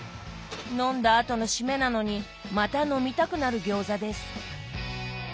飲んだ後の締めなのにまた飲みたくなる餃子です。